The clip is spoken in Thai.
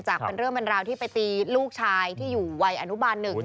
จากเป็นเรื่องบรรดาที่ไปตีลูกชายที่อยู่วัยอนุบัน๑เนี่ย